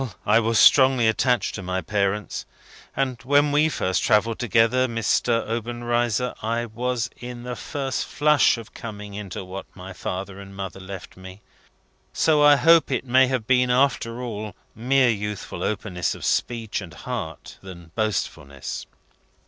I was strongly attached to my parents, and when we first travelled together, Mr. Obenreizer, I was in the first flush of coming into what my father and mother left me. So I hope it may have been, after all, more youthful openness of speech and heart than boastfulness."